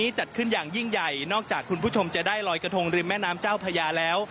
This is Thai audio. จัดขึ้นอย่างยิ่งใหญ่นอกจากคุณผู้ชมจะได้ลอยกระทงริมแม่น้ำเจ้าพญาแล้ว